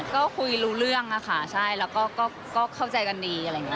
ก็คุยรู้เรื่องใช่และเข้าใจกันดี